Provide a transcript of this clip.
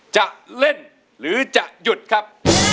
จะเล่นหรือจะหยุดครับ